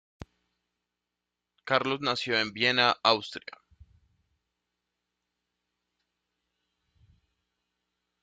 Carlos nació en Viena, Austria.